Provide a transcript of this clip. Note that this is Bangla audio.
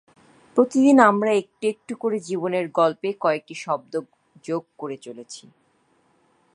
প্রতিদিন আমরা একটু একটু করে জীবনের গল্পে কয়েকটি শব্দ যোগ করে চলছি।